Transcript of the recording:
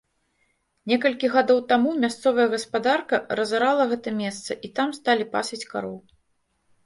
Некалькі гадоў таму мясцовая гаспадарка разарала гэта месца і там сталі пасвіць кароў.